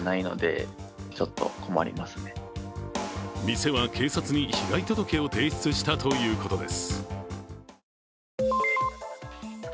店は警察に被害届を提出したということです。